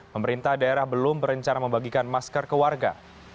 pemerintah daerah belum berencana membagikan masker ke warga